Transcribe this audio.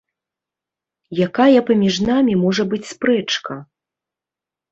Якая паміж намі можа быць спрэчка?